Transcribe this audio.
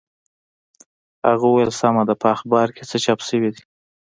هغه وویل سمه ده په اخبارو کې څه چاپ شوي دي.